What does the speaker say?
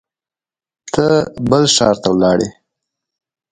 ته بل ښار ته لاړې